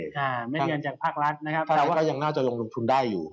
แต่ก็ยังน่าจะลงทุนได้อยู่